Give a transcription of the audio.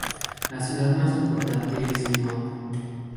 La ciudad más importante es Limón.